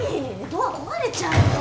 ドア壊れちゃうよ。